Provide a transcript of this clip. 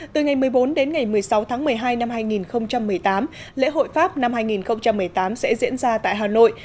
từ ngày một mươi bốn đến ngày một mươi sáu tháng một mươi hai năm hai nghìn một mươi tám lễ hội pháp năm hai nghìn một mươi tám sẽ diễn ra tại hà nội